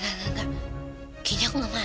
tante aku gak mau